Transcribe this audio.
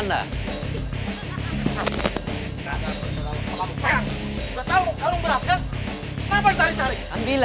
naik naik karung gue